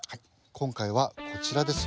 今回はこちらです。